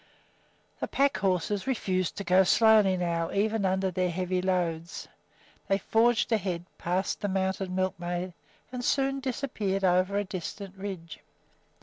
The pack horses refused to go slowly now, even under their heavy loads. They forged ahead, passed the mounted milkmaid, and soon disappeared over a distant ridge.